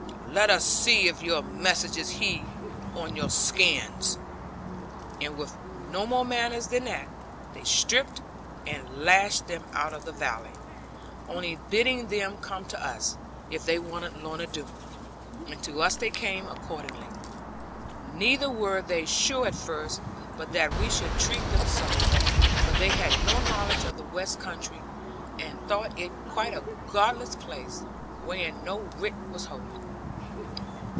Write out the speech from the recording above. Let us see if your message he on your skins.' And with no more manners than that, they stripped, and lashed them out of the valley; only bidding them come to us, if they wanted Lorna Doone; and to us they came accordingly. Neither were they sure at first but that we should treat them so; for they had no knowledge of the west country, and thought it quite a godless place, wherein no writ was holy.